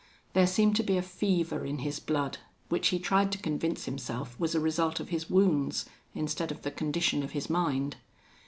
There seemed to be a fever in his blood, which he tried to convince himself was a result of his wounds instead of the condition of his mind.